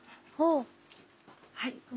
はい。